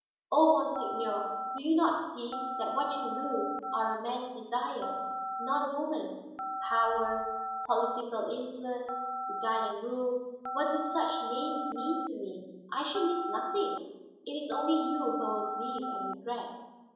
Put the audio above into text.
Oh, monseigneur, do you not see that what you lose are a man's desires, not a woman's? Power, political influence, to guide and rule what do such names mean to me? I shall miss nothing; it is only you who will grieve and regret."